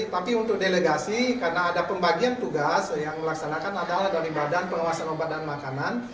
tapi untuk delegasi karena ada pembagian tugas yang melaksanakan adalah dari badan pengawasan obat dan makanan